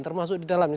termasuk di dalamnya